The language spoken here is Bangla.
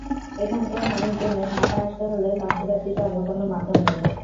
এখানকার মানুষজনের ঢাকা আসতে হলে লঞ্চ ব্যতীত অন্য কোনো মাধ্যম নেই।